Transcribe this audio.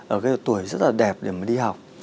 ở cái độ tuổi rất là đẹp để mà đi học